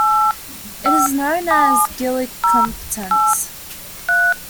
It is known as Gillick competence.